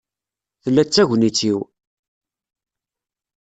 Tella d tagnit-iw..